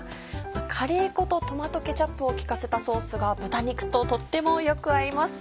カレー粉とトマトケチャップを効かせたソースが豚肉ととってもよく合います。